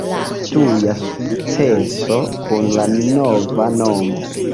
Tuja sukceso kun la nova nomo.